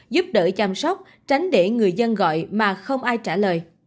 giúp đỡ chăm sóc tránh để người dân gọi mà không ai trả lời